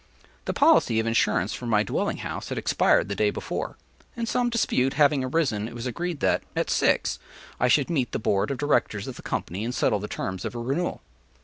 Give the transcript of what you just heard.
The policy of insurance for my dwelling house had expired the day before; and, some dispute having arisen, it was agreed that, at six, I should meet the board of directors of the company and settle the terms of a renewal.